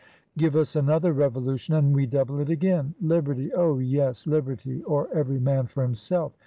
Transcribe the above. Give us another revolution and we double it again. Liberty! Oh yes! Liberty, or every man for himself.